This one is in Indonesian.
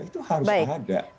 itu harus ada